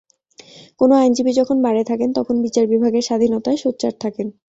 কোনো আইনজীবী যখন বারে থাকেন, তখন বিচার বিভাগের স্বাধীনতায় সোচ্চার থাকেন।